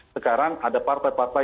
sekarang ada partai partai